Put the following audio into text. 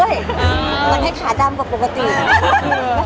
หวั่นใจกับครูแขนครับ